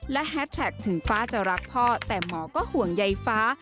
และแฮสแท็กถึงฟ้าจะรักพ่อแต่หมอก็ห่วงใยฟ้า